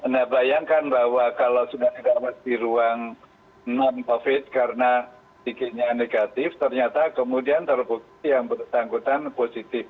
nah bayangkan bahwa kalau sudah dirawat di ruang non covid karena tiketnya negatif ternyata kemudian terbukti yang bersangkutan positif